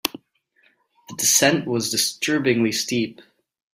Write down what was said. The descent was disturbingly steep.